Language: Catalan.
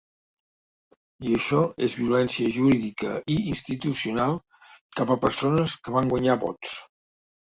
I això és violència jurídica i institucional cap a persones que van guanyar vots.